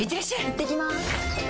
いってきます！